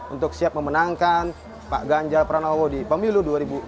untuk siap memenangkan pak ganjar pranowo di pemilu dua ribu dua puluh